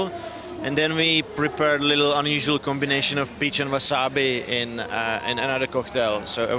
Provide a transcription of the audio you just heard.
dan kemudian kita akan membuat kombinasi pijak dan wasabi di cocktail lainnya